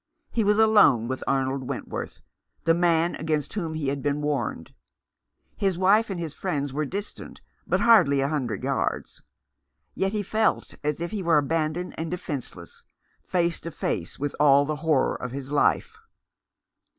He was alone with Arnold Wentworth— the man against whom he had been warned. His wife and his friends were distant by hardly a hundred yards ; yet he felt as if he were abandoned and defenceless, face to face with all the horror of his life.